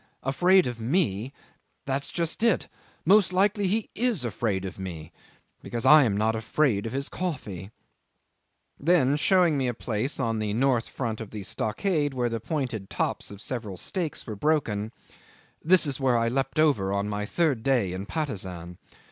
Afraid of me! That's just it. Most likely he is afraid of me because I am not afraid of his coffee." Then showing me a place on the north front of the stockade where the pointed tops of several stakes were broken, "This is where I leaped over on my third day in Patusan.